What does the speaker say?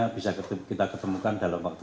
bisa kita ketemukan dalam waktu